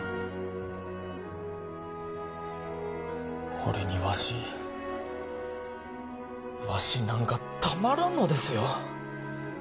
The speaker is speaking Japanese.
ほれにわしわし何かたまらんのですよ